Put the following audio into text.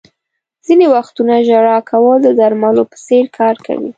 • ځینې وختونه ژړا کول د درملو په څېر کار کوي.